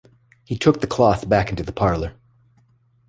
He took the cloth back into the parlour.